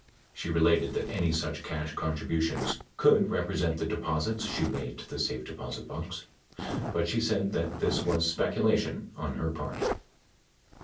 She related that any such cash contribu 563 tions could represent the deposits she made to the safe deposit box; but she said that, this was speculation on her part.